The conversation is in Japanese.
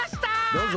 どうぞ。